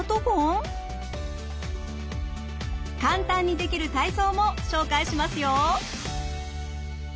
簡単にできる体操も紹介しますよ。